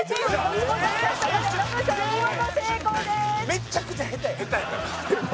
めっちゃくちゃ下手やん。